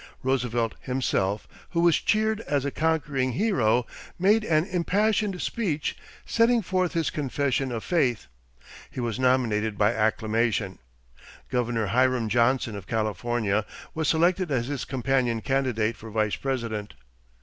Roosevelt himself, who was cheered as a conquering hero, made an impassioned speech setting forth his "confession of faith." He was nominated by acclamation; Governor Hiram Johnson of California was selected as his companion candidate for Vice President.